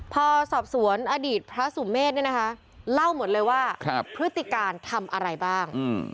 พอสอบสวนอดีตพระสุเมฆเนี่ยนะคะเล่าหมดเลยว่าพฤติการทำอะไรบ้าง